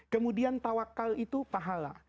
kemudian tawakkal itu pahala